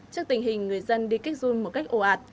trước tình hình người dân đi kích run một cách ồ ạt